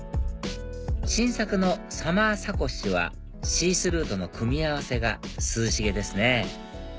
新作のサマーサコッシュはシースルーとの組み合わせが涼しげですね